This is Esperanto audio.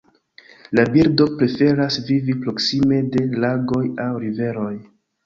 La birdo preferas vivi proksime de lagoj aŭ riveroj.